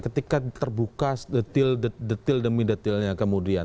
ketika terbuka detail demi detailnya kemudian